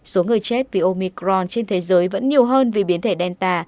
số người chết vì omicron trên thế giới vẫn nhiều hơn vì biến thể danta